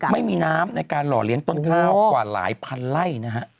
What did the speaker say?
ไม่มีน้ำในการหล่อเลี้ยงต้นข้าวกว่าหลายพันไล่นะฮะ